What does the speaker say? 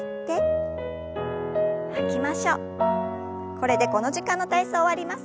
これでこの時間の体操終わります。